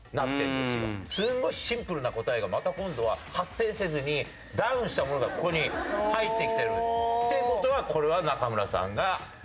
すごいシンプルな答えがまた今度は発展せずにダウンしたものがここに入ってきてるのよ。って事はこれは中村さんが考えたやつだと。